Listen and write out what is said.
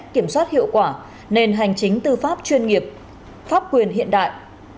kiểm soát hiệu quả nền hành chính tư pháp chuyên nghiệp pháp quyền hiện đại